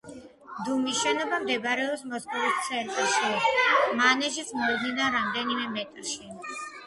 დუმის შენობა მდებარეობს მოსკოვის ცენტრში, მანეჟის მოედნიდან რამდენიმე მეტრში.